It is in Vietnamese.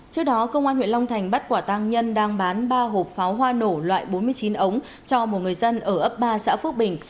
trước đó công an huyện long thành bắt quả tăng nhân đang bán ba hộp pháo hoa nổ loại bốn mươi chín ống cho một người dân ở ấp ba xã phước bình